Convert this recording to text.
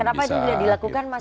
kenapa dia dilakukan mas